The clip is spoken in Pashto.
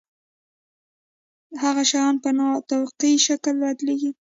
هغه شیان په نا توقعي شکل بدلیږي.